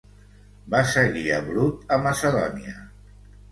Va seguir a Brut a Macedònia.